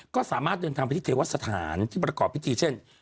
ก็สามารถเดินทางไปที่เทวสถานที่ประกอบพิธีเช่น